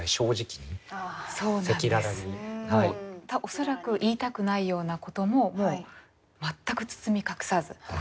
恐らく言いたくないようなことももう全く包み隠さず１００％